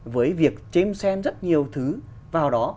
với việc chêm xem rất nhiều thứ vào đó